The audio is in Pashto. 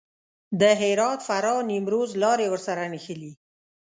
د هرات، فراه، نیمروز لارې ورسره نښلي.